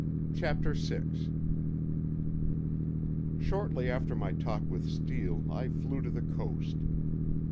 CHAPTER VI Shortly after my talk with Steele, I flew to the Coast.